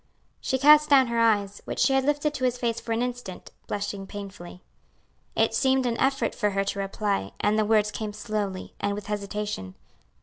She cast down her eyes, which she had lifted to his face for an instant, blushing painfully. It seemed an effort for her to reply, and the words came slowly, and with hesitation.